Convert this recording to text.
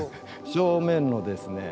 正面のですね